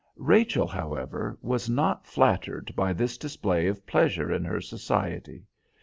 Rachel, however, was not flattered by this display of pleasure in her society.